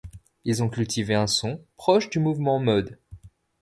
Ils ont cultivé un son proche du mouvement mod.